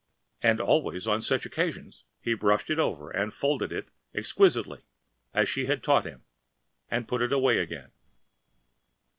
And always, after such occasions, he brushed it over and folded it exquisitely as she had taught him, and put it away again.